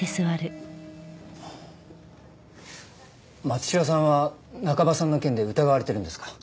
松代さんは中葉さんの件で疑われてるんですか？